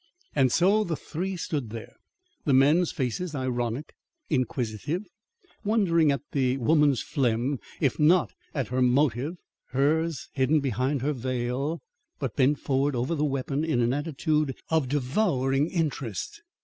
And so, the three stood there, the men's faces ironic, inquisitive, wondering at the woman's phlegm if not at her motive; hers, hidden behind her veil, but bent forward over the weapon in an attitude of devouring interest.